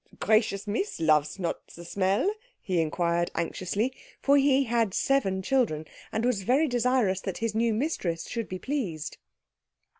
"The gracious Miss loves not the smell?" he inquired anxiously; for he had seven children, and was very desirous that his new mistress should be pleased.